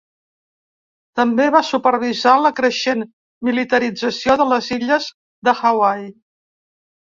També va supervisar la creixent militarització de les illes de Hawaii.